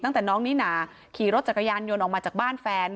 ตั้งแต่น้องนิน่าขี่รถจักรยานยนต์ออกมาจากบ้านแฟน